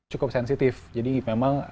cukup sensitif jadi memang